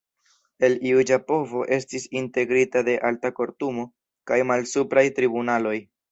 El Juĝa Povo estis integrita de Alta Kortumo, kaj malsupraj tribunaloj.